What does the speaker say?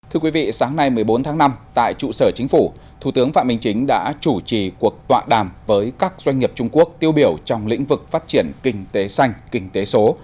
thưa quý vị sáng nay một mươi bốn tháng năm tại trụ sở chính phủ thủ tướng phạm minh chính đã chủ trì cuộc tọa đàm với các doanh nghiệp trung quốc tiêu biểu trong lĩnh vực phát triển kinh tế xanh kinh tế số